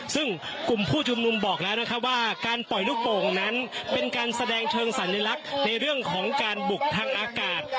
ซึ่งกลุ่มผู้ชุมนุมบอกแล้วนะครับว่าการปล่อยลูกโป่งนั้นเป็นการแสดงเชิงสัญลักษณ์ในเรื่องของการบุกทางอากาศ